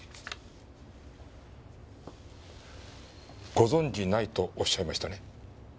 ご存じないとおっしゃいましたね。